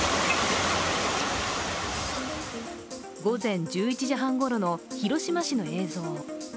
午前１１時半ごろの広島市の映像。